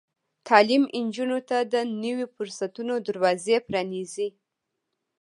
تعلیم نجونو ته د نويو فرصتونو دروازې پرانیزي.